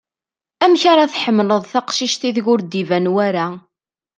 Amek ar ad tḥemmeled taqcict ideg ur-d iban wara?